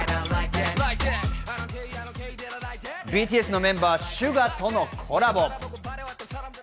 ＢＴＳのメンバー、ＳＵＧＡとのコラボ。